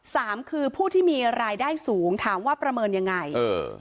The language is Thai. สามคือผู้ที่มีรายได้สูงถามว่าประเมินยังไงเออ